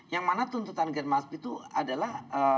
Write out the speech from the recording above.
yang mana tuntutan germas itu adalah